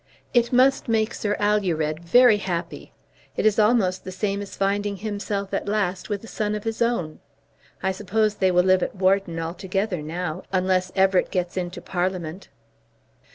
It must make Sir Alured very happy. It is almost the same as finding himself at last with a son of his own. I suppose they will live at Wharton altogether now, unless Everett gets into Parliament."